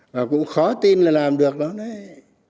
và cũng khó tin là làm được đó đấy